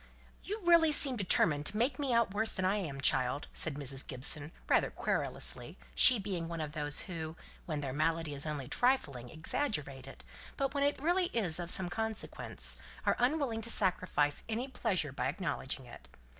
"You really seem determined to make me out worse than I am, child," said Mrs. Gibson, rather querulously, she being one of those who, when their malady is only trifling, exaggerate it, but when it is really of some consequence, are unwilling to sacrifice any pleasures by acknowledging it.